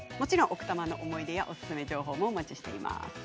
奥多摩の思い出やおすすめ情報もお待ちしています。